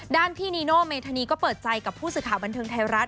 ด้านพี่นีโนเมธานีก็เปิดใจกับผู้สิทธิ์ขาบันเทิงไทยรัฐ